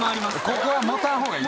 ここは持たん方がいい？